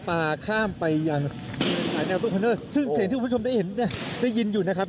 ปลาข้ามไปอย่างแนวตู้คอนเนอร์ซึ่งเสียงที่คุณผู้ชมได้เห็นเนี่ยได้ยินอยู่นะครับ